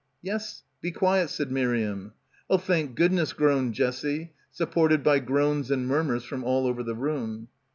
"Yes. Be quiet," said Miriam. "Oh, thank goodness," groaned Jessie, sup ported by groans and murmurs from all over the room.